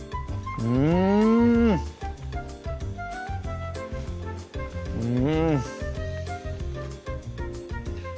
うんうん